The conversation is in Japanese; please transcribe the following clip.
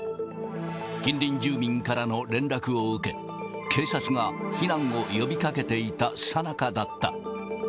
近隣住民からの連絡を受け、警察が避難を呼びかけていたさなかだった。